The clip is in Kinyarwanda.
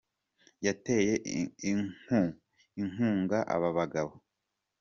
Yateye inku inkunga aba bagabo